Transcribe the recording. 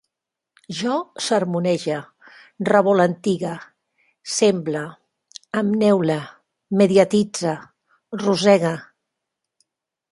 Jo sermonege, revolantigue, semble, em neule, mediatitze, rossege